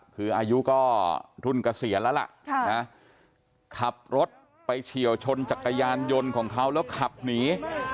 คืออายุก็รุ่นเกษียณแล้วล่ะขับรถไปเฉียวชนจักรยานยนต์ของเขาแล้วขับหนี